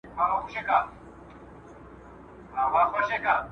چوپتیا د سرو زرو ده.